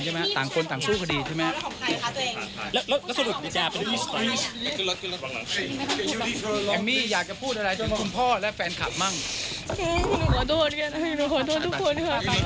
เอมี่อยากจะพูดอะไรที่คุณพ่อและแฟนคลับฉันขอโทษท่านทุกคน